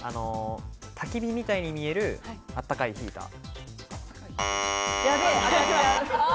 たき火みたいに見えるあったかいヒーター。